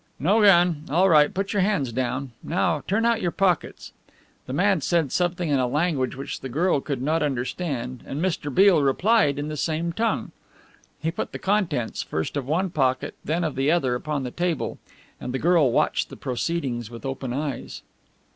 "No gun, all right, put your hands down. Now turn out your pockets." The man said something in a language which the girl could not understand, and Mr. Beale replied in the same tongue. He put the contents, first of one pocket then of the other, upon the table, and the girl watched the proceedings with open eyes.